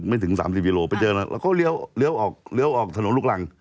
ไม่ถึงสามสิบลิเมตรโอเขาเหลี้ยวออกถนนลูกหลั่ง